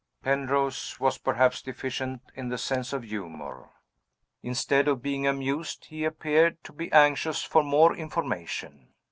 Penrose was perhaps deficient in the sense of humor. Instead of being amused, he appeared to be anxious for more information.